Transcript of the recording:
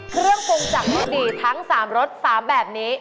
เครื่องปรุงจากลูกดีทั้ง๓รส๓แบบนี้